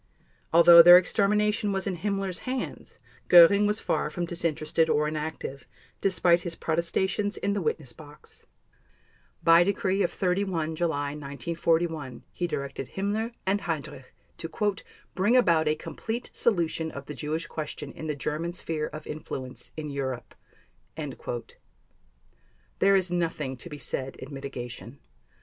Although their extermination was in Himmler's hands, Göring was far from disinterested or inactive, despite his protestations in the witness box. By decree of 31 July 1941 he directed Himmler and Heydrich to "bring about a complete solution of the Jewish question in the German sphere of influence in Europe." There is nothing to be said in mitigation.